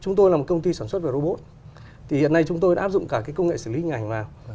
chúng tôi là một công ty sản xuất về robot thì hiện nay chúng tôi áp dụng cả cái công nghệ xử lý hình ảnh vào